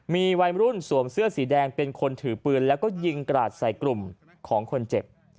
มีวัยรุ่นสวมเสื้อสีแดงเป็นคนถือปืนแล้วก็ยิงกราดใส่กลุ่มของคนเจ็บ